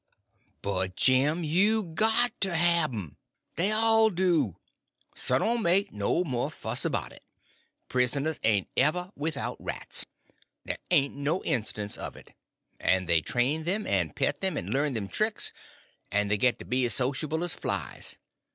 "But, Jim, you got to have 'em—they all do. So don't make no more fuss about it. Prisoners ain't ever without rats. There ain't no instance of it. And they train them, and pet them, and learn them tricks, and they get to be as sociable as flies.